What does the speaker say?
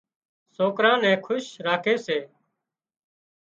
سوڪران نين خوش راکي سي